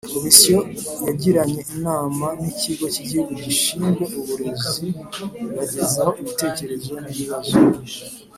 Komisiyo Yagiranye Inama N Ikigo Cy Igihugu Gishinzwe Uburezi Ibagezaho Ibitekerezo N Ibibazo